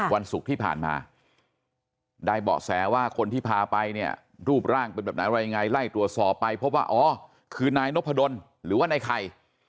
วันศุกร์ที่ผ่านมาได้เบาะแสว่าคนที่พาไปเนี่ย